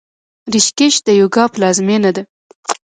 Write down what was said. ریشیکیش د یوګا پلازمینه ده.